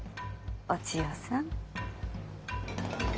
お千代さん。